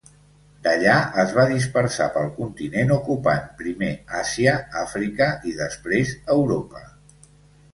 D'allà es va dispersar pel continent ocupant primer Àsia, Àfrica i després Europa.